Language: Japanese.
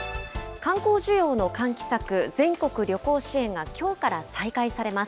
観光需要の喚起策、全国旅行支援がきょうから再開されます。